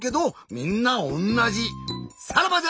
さらばじゃ！